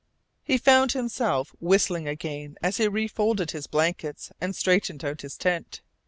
He found himself whistling again as he refolded his blankets and straightened out his tent.